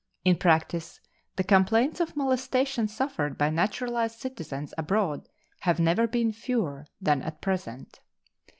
In practice the complaints of molestation suffered by naturalized citizens abroad have never been fewer than at present.